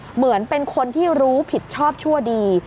เหมือนเป็นคนที่รู้ผิดชอบชั่วดี